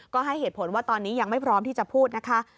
ก็ให้เหตุผลว่าตอนนี้ยังไม่พร้อมที่จะพูดนะคะ